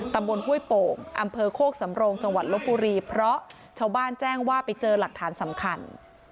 ห้วยโป่งอำเภอโคกสำโรงจังหวัดลบบุรีเพราะชาวบ้านแจ้งว่าไปเจอหลักฐานสำคัญ